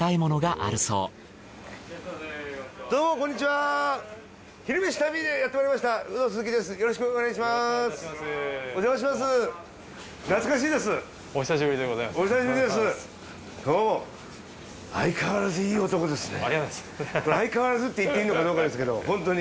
あいかわらずって言っていいのかどうかですけどホントに。